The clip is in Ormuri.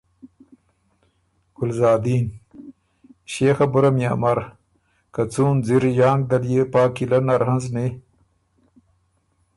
ګلزادین: ݭيې خبُره ميې امر که څُون ځِر یانک دل دی پا قلعه نر هنزنی